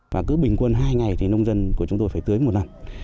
và cứ bình quân hai ngày thì nông dân của chúng tôi phải tưới một lần